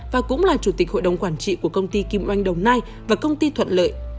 và cũng là chủ tịch hội đồng quản trị của công ty kim oanh đồng nai và công ty thuận lợi